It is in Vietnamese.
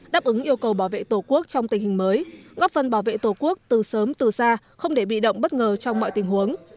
bảo vệ tổ quốc trong tình hình mới góp phần bảo vệ tổ quốc từ sớm từ xa không để bị động bất ngờ trong mọi tình huống